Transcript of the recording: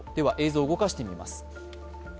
映像を動かしてみます。